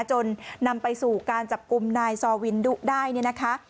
จนนำไปสู่การจับกลุ่มนายซอวินดุได้เนี่ยนะคะ